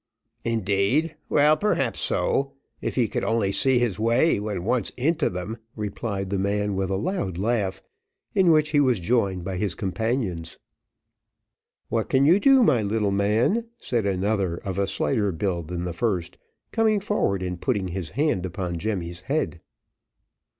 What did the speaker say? "Indeed: well, perhaps so, if he could only see his way when once into them," replied the man with a loud laugh, in which he was joined by his companions. "What can you do, my little man?" said another of a slighter build than the first, coming forward and putting his hand upon Jemmy's head.